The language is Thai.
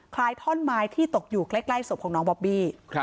ท่อนไม้ที่ตกอยู่ใกล้ศพของน้องบอบบี้